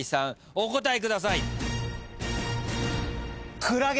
お答えください。